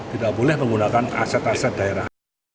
tidak boleh menggunakan aset aset daerah